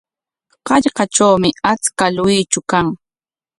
Hallqatrawmi achka luychu kan.